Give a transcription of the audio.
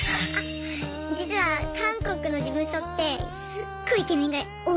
実は韓国の事務所ってすっごいイケメンが多いんですよ。